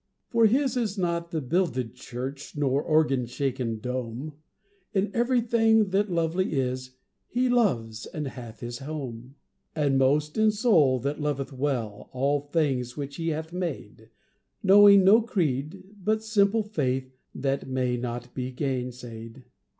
IV. For his is not the builded church, Nor organ shaken dome; In every thing that lovely is He loves and hath his home; And most in soul that loveth well All things which he hath made, Knowing no creed but simple faith That may not be gainsaid.